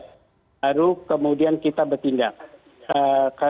lalu kemudian kita bertindak